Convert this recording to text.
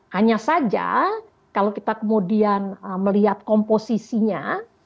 hanya saja kalau kita kemudian melihat komposisinya